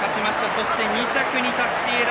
そして２着にタスティエーラ。